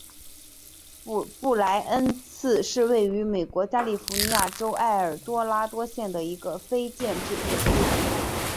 布赖恩茨是位于美国加利福尼亚州埃尔多拉多县的一个非建制地区。